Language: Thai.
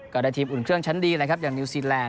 ก็ได้ทีมอุ่นเครื่องชั้นดีนะครับอย่างนิวซีแลนด